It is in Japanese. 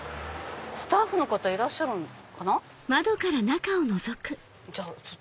スタッフの方いらっしゃるのかな。